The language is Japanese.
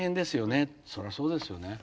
そらそうですよね。